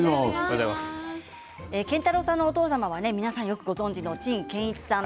建太郎さんのお父様は皆さんよくご存じの陳建一さん。